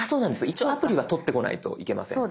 一応アプリは取ってこないといけません。